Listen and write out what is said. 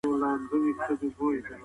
روښانه فکر انرژي نه ځنډوي.